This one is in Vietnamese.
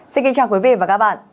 xin kính chào quý vị và các bạn